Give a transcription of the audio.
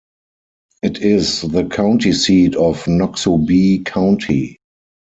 It is the county seat of Noxubee County.